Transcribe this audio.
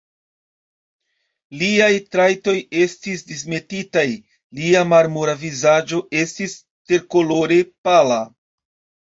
Liaj trajtoj estis dismetitaj; lia marmora vizaĝo estis terkolore pala.